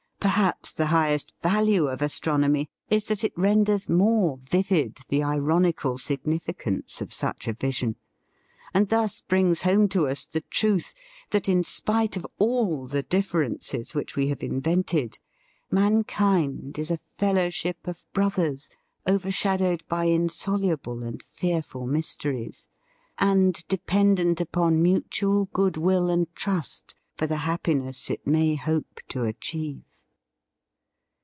Perhaps the highest value of astron omy is that it renders more vivid the ironical significance of such a vision, and thus brings home to us the truth that in spite of all the differences which we have invented, mankind is a fellow ship of brothers, overshadowed by in soluble and fearful mysteries, and de pendent upon mutual goodwill and trust for the happiness it may hope to achieve.